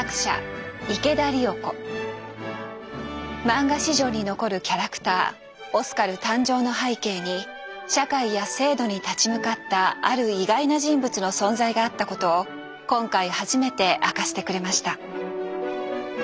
マンガ史上に残るキャラクターオスカル誕生の背景に社会や制度に立ち向かったある意外な人物の存在があったことを今回初めて明かしてくれました。